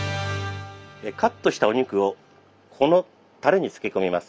カットしたお肉をこのたれに漬け込みます。